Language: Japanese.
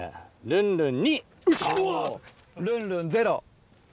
ルンルン２！